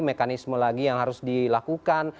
mekanisme lagi yang harus dilakukan